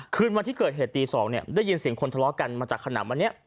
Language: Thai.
คืนวันที่เกิดเหตุตี๒เนี่ยได้ยินเสียงคนทะเลาะกันมาจากขนำวันนี้